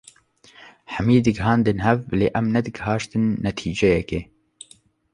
hemî digihandin hev lê em ne digihaştin netîcekê.